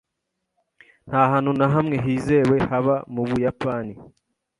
Nta hantu na hamwe hizewe haba mu Buyapani.